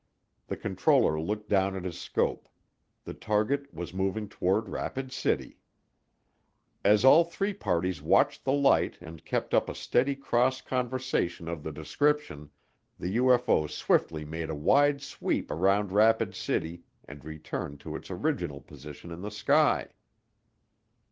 The controller looked down at his scope the target was moving toward Rapid City. As all three parties watched the light and kept up a steady cross conversation of the description, the UFO swiftly made a wide sweep around Rapid City and returned to its original position in the sky.